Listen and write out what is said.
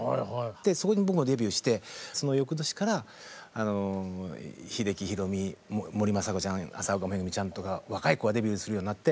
そこに僕もデビューしてその翌年から秀樹ひろみ森昌子ちゃん麻丘めぐみちゃんとか若い子がデビューするようになって。